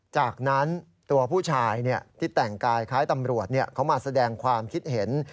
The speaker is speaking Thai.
จากนั้นตัวผู้ชายที่แต่งกายคล้ายตำรวจเขามาแสดงความคิดเห็น